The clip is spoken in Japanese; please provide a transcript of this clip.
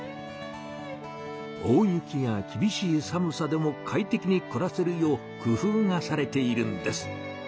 大雪やきびしいさむさでも快適にくらせるよう工夫がされているんです。